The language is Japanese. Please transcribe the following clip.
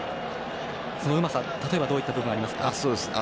そのうまさ、例えばどういった部分がありますか？